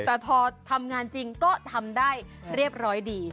แต่พอทำงานจริงก็ทำได้เรียบร้อยดี